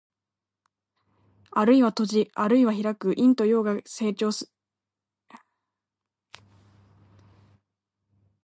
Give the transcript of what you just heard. あるいは閉じ、あるいは開く。陰と陽が消長するさま。「闔」は閉じる。「闢」は開く意。